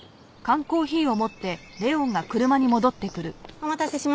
お待たせしました。